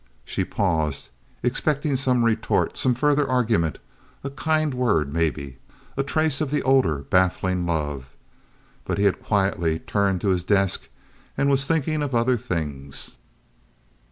She paused, expecting some retort, some further argument—a kind word maybe. A trace of the older, baffling love, but he had quietly turned to his desk and was thinking of other things.